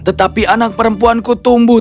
tetapi anak perempuanku tumbuh